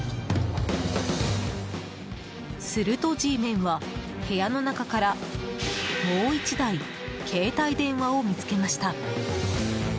するとＧメンは部屋の中からもう１台携帯電話を見つけました。